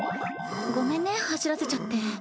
ごめんね走らせちゃって。